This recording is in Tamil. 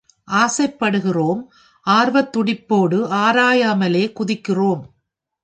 ஆசைபடுகிறோம், ஆர்வத் துடிப்போடு ஆராயாமலே குதிக்கிறோம்.